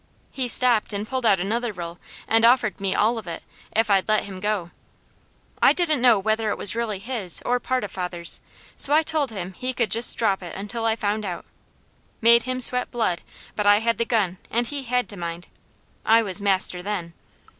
He stopped and pulled out another roll, and offered me all of it, if I'd let him go. I didn't know whether it was really his, or part of father's, so I told him he could just drop it until I found out. Made him sweat blood, but I had the gun, and he had to mind. I was master then.